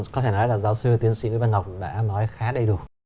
có thể nói là giáo sư tiến sĩ với bà ngọc đã nói khá đầy đủ